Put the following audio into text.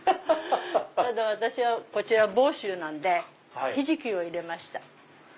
ただ私はこちら房州なんでひじきを入れました。